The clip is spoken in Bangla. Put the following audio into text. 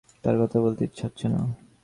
তার কথা বলতে ইচ্ছা হচ্ছে না।